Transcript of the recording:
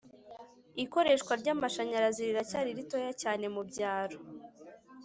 ikoreshwa ry'amashanyarazi riracyari ritoya cyane mu byaro